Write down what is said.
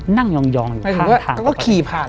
นั่งยองยองอยู่ข้างทางหมายถึงว่าเขาก็ขี่ผ่าน